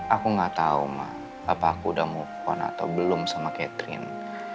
aku gak tahu mbak apakah aku udah mumpun atau belum sama catherine